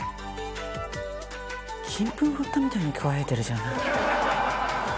金粉振ったみたいに輝いてるじゃない。